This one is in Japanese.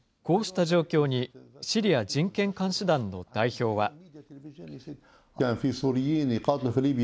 こうした状況に、シリア人権監視団の代表は。